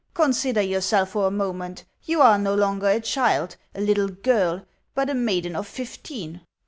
Consider yourself for a moment. You are no longer a child, a little girl, but a maiden of fifteen."